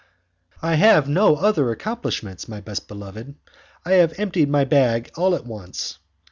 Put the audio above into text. "I have no other accomplishments, my best beloved. I have emptied my bag all at once.